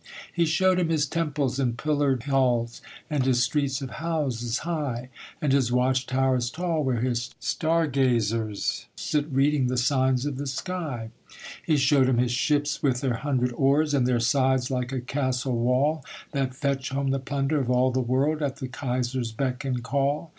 He showed him his temples and pillared halls, And his streets of houses high; And his watch towers tall, where his star gazers Sit reading the signs of the sky. He showed him his ships with their hundred oars, And their sides like a castle wall, That fetch home the plunder of all the world, At the Kaiser's beck and call.